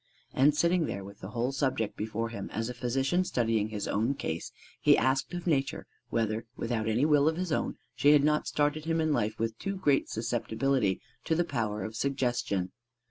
And sitting there with the whole subject before him as a physician studying his own case, he asked of Nature whether without any will of his own she had not started him in life with too great susceptibility to the power of suggestion.